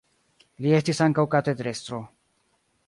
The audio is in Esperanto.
Li estis ankaŭ katedrestro.